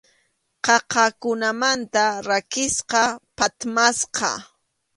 Qaqakunamanta rakisqa, phatmasqa.